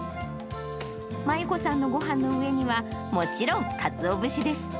真裕子さんのごはんの上には、もちろんかつお節です。